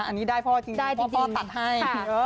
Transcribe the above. อันนี้ได้พ่อจริงพ่อตัดให้